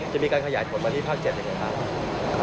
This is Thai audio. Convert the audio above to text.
จะมีการขยายผลมาที่ภาค๗อย่างไรครับ